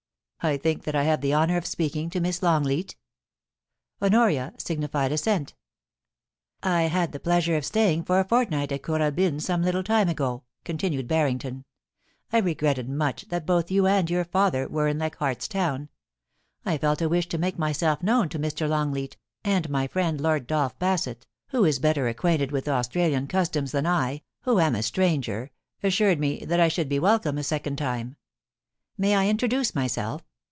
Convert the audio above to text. I think that I have the honour of speaking to Miss Longleat ?' Honoria signified assent * I had the pleasure of staying for a fortnight at Kooralbyn some little time ago,' continued Barrington. * I regretted much that both you and your father were in Leichardt's Town. I felt a wish to make myself known to Mr. Long leat, and my friend Lord Dolph Bassett, who is better THE DRYAD OF THE TI TREE. 153 acquainted with Australian customs than I, who am a stranger, assured me that I should be welcome a second time. May I introduce myself?